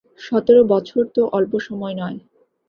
সতের বছর তো অল্প সময় নয়।